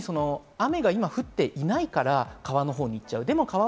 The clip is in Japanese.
今、雨が降っていないから川のほうに行っちゃう。